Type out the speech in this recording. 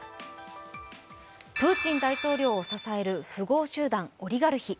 プーチン大統領を支える富豪集団・オリガルヒ。